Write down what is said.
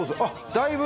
だいぶ。